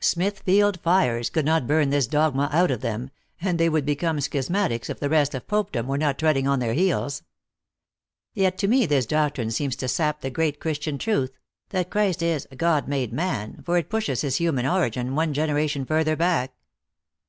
Smithfield fires could not burn this dogma out of them, and they would become schismatics if the rest of Popedom were not treading on their heels. Yet to me this doc trine seems to sap the great Christian truth, that Christ is God made man, for it pushes his human origin one generation further back.